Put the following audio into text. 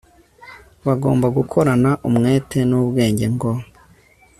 bagomba gukorana umwete nubwenge ngo